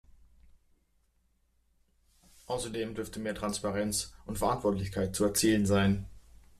Außerdem dürfte mehr Transparenz und Verantwortlichkeit zu erzielen sein.